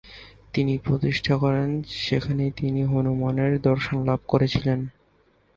তিনি প্রতিষ্ঠা করেন, সেখানেই তিনি হনুমানের দর্শন লাভ করেছিলেন।